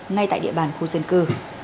ngay tại địa bàn khu dân cư